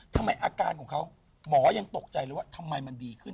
อาการของเขาหมอยังตกใจเลยว่าทำไมมันดีขึ้น